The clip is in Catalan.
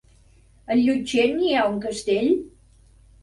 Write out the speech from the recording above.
A Llutxent hi ha un castell?